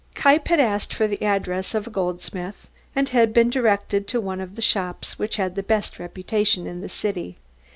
Kniepp had asked for the address of a goldsmith, and had been directed to one of the shops which had the best reputation in the city.